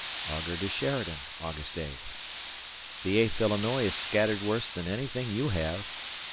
[Augur to Sheridan] August 8th. The Eighth Illinois is scattered worse than anything you have.